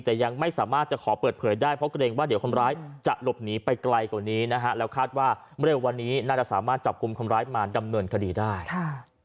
แต่ยังไม่สามารถจะขอเปิดเผยได้เพราะก็เน่งว่าเดี๋ยวคนร้ายจะ